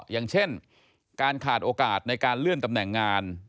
อย่างเช่นการขาดโอกาสในการเลื่อนตำแหน่งงาน